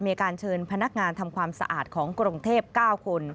มีการเชิญพนักงานทำความสะอาดของกรุงเทพ๙คน